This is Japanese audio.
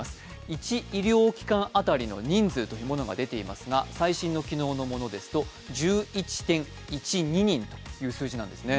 １医療機関当たりの人数というものが出ていますが最新の昨日のものですと１１．１２人という数字なんですね。